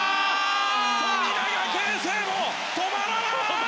富永啓生も止まらない！